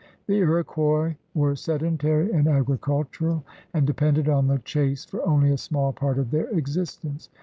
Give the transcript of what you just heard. The Iroquois were sedentary and agricultural, and depended on the chase for only a small part of their existence.